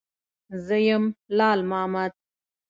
_زه يم، لال مامد.